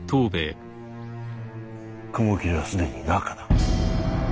雲霧は既に中だ。